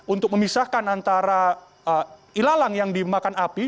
untuk memisahkan antara ilalang yang dimakan api